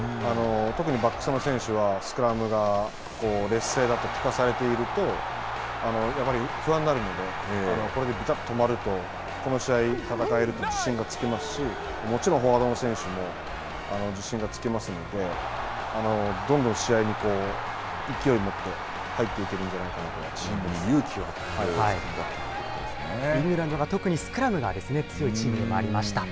特にバックスの選手はスクラムが劣勢だときかされていると、やはり不安になるので、これでびたっと止まると、この試合、戦えるっていう自信がつきますし、もちろん、フォワードの選手も自信がつきますので、どんどん試合に勢いを持って入っていけるんじゃないチームに勇気を与える一戦だイングランドが特にスクラムが強いチームでもありました。